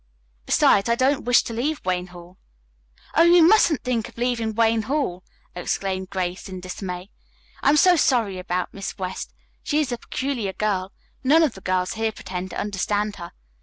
Besides, I don't wish to leave Wayne Hall." "Oh, you mustn't think of leaving Wayne Hall!" exclaimed Grace in dismay. "I am so sorry about Miss West. She is a peculiar girl. None of the girls here pretend to understand her.